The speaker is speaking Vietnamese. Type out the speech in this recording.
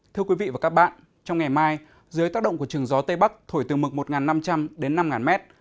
thưa quý vị và các bạn trong ngày mai dưới tác động của trường gió tây bắc thổi từ mực một năm trăm linh đến năm mét